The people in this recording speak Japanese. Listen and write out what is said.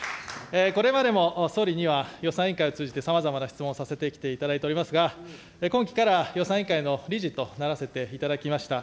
これまでも総理には、予算委員会を通じて、さまざまな質問をさせてきていただいておりますが、今期から予算委員会の理事とならせていただきました。